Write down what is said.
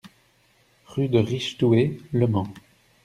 Rue de Richedoué, Le Mans